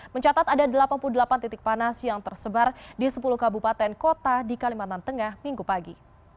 mencatat ada delapan puluh delapan titik panas yang tersebar di sepuluh kabupaten kota di kalimantan tengah minggu pagi